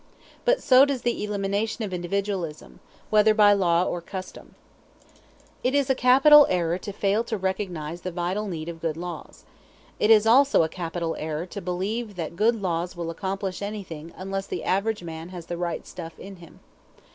But so does the elimination of individualism, whether by law or custom. It is a capital error to fail to recognize the vital need of good laws. It is also a capital error to believe that good laws will accomplish anything unless the average man has the right stuff in him.